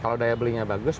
kalau daya belinya barang